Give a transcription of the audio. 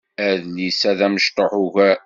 Adlis-a d amecṭuḥ ugar.